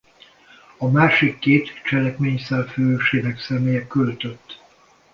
A másik két cselekményszál főhősének személye költött.